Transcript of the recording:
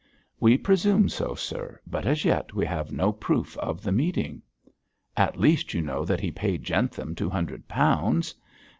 'We presume so, sir, but as yet we have no proof of the meeting.' 'At least you know that he paid Jentham two hundred pounds.'